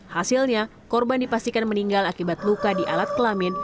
hasilnya korban dipastikan meninggal akibat luka di alat kelamin